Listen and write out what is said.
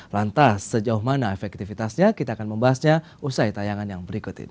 lantas sejauh mana efektivitasnya kita akan membahasnya usai tayangan yang berikut ini